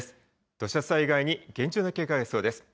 土砂災害に厳重な警戒が必要です。